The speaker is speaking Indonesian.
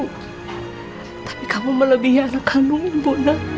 walaupun kamu bukan anak kandung ibu